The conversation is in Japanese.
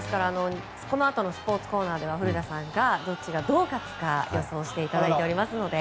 このあとのスポーツコーナーでは古田さんがどっちが勝つか予想していただいておりますので。